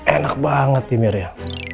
enak banget ya mirna